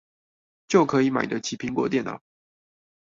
就可以買得起蘋果電腦